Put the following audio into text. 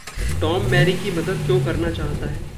Tom Mary की मदद क्यों करना चाहता है?